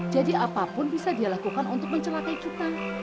jadi apapun bisa dia lakukan untuk mencelakai kita